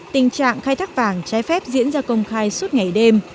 tình trạng khai thác vàng trái phép diễn ra công khai suốt ngày đêm